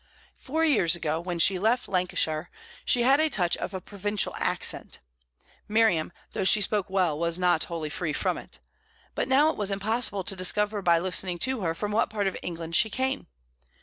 Four years ago, when she left Lancashire, she had a touch of provincial accent, Miriam, though she spoke well, was not wholly free from it, but now it was impossible to discover by listening to her from what part of England she came.